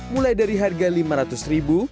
mulai dari harga lima ratus ribu